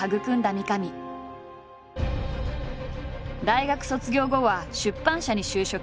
大学卒業後は出版社に就職。